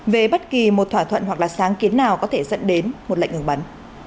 về bất kỳ một thỏa thuận hoặc là sáng kiến nào có thể dẫn đến một lệnh ngừng bắn